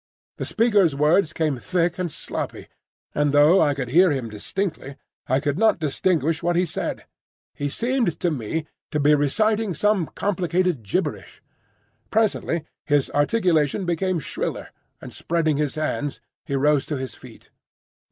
The speaker's words came thick and sloppy, and though I could hear them distinctly I could not distinguish what he said. He seemed to me to be reciting some complicated gibberish. Presently his articulation became shriller, and spreading his hands he rose to his feet.